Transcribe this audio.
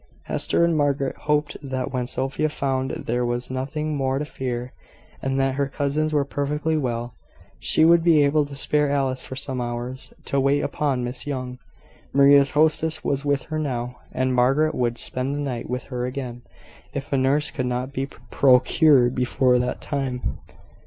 Hester and Margaret hoped that when Sophia found there was nothing more to fear, and that her cousins were perfectly well, she would be able to spare Alice for some hours, to wait upon Miss Young. Maria's hostess was with her now, and Margaret would spend the night with her again, if a nurse could not be procured before that time.